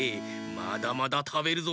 まだまだたべるぞ！